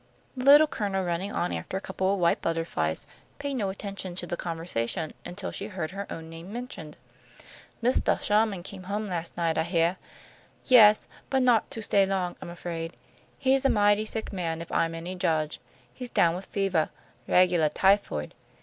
The Little Colonel, running on after a couple of white butterflies, paid no attention to the conversation until she heard her own name mentioned. "Mistah Sherman came home last night, I heah." "Yes, but not to stay long, I'm afraid. He's a mighty sick man, if I'm any judge. He's down with fevah, regulah typhoid.